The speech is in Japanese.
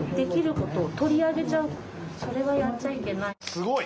すごい！